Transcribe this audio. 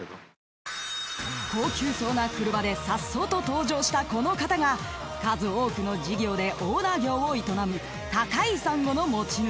［高級そうな車でさっそうと登場したこの方が数多くの事業でオーナー業を営む］